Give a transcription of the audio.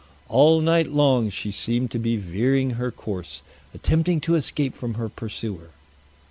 All night long she seemed to be veering her course, attempting to escape from her pursuer.